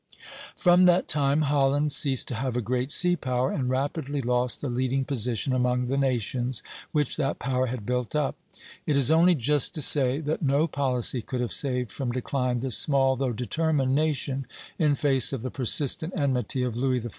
From that time Holland ceased to have a great sea power, and rapidly lost the leading position among the nations which that power had built up. It is only just to say that no policy could have saved from decline this small, though determined, nation, in face of the persistent enmity of Louis XIV.